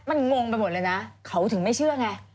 มันงงไปหมดเลยนะเขาถึงไม่เชื่อไง